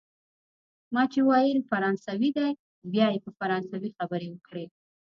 ما چي ویل فرانسوی دی، بیا یې په فرانسوي خبرې وکړې.